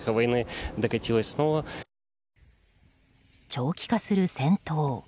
長期化する戦闘。